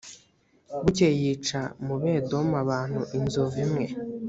bukeye yica mu bedomu abantu inzovu imwe